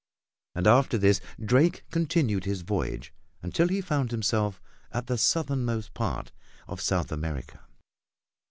And after this Drake continued his voyage, until he found himself at the southernmost part of South America.